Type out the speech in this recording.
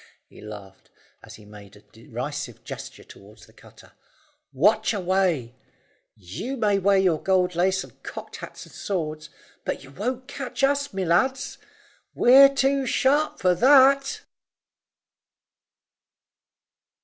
he laughed, as he made a derisive gesture towards the cutter; "watch away. You may wear your gold lace and cocked hats and swords, but you won't catch us, my lads; we're too sharp for that."